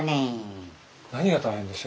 何が大変でした？